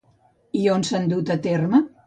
I on s'ha dut a terme?